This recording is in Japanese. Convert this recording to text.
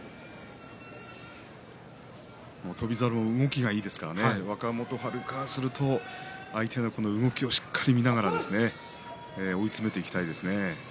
翔猿も動きがいいので若元春からすると相手の動きをしっかり見ながら追い詰めていきたいですね。